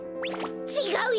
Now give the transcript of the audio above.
ちがうよ！